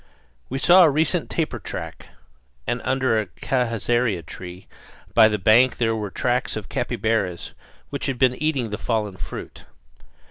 We saw a recent tapir track; and under a cajazeira tree by the bank there were the tracks of capybaras which had been eating the fallen fruit.